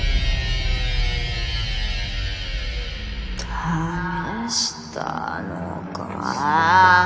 試したのか？